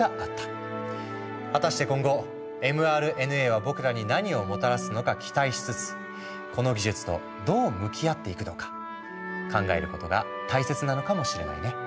果たして今後ｍＲＮＡは僕らに何をもたらすのか期待しつつこの技術とどう向き合っていくのか考えることが大切なのかもしれないね。